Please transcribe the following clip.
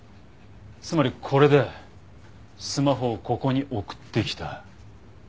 つまりこれでスマホをここに送ってきた。